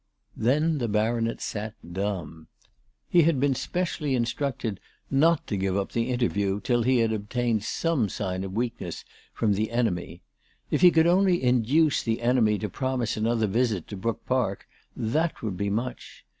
Then the Baronet sat dumb. He had been specially instructed not to give up the interview till he had obtained some sign of weakness from the enemy. If he could only induce the enemy to promise another visit to Brook Park that would be much.